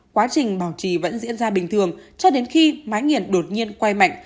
quá trình bảo trì vẫn diễn ra bình thường cho đến khi mái nghiền đột nhiên quay mạnh